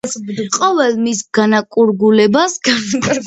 ყოველ მის განკარგულებას ჰქონდა კანონის ძალა.